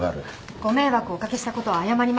ご迷惑をお掛けしたことは謝ります。